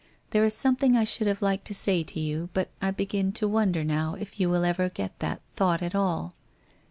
There is something I should have liked to say to you, but I begin to wonder now if you will ever get that thought at all